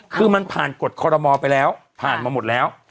คือมันผ่านกฎคอรมอลไปแล้วผ่านมาหมดแล้ว